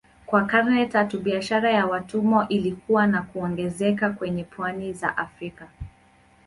Kwa karne tatu biashara ya watumwa ilikua na kuongezeka kwenye pwani za Afrika.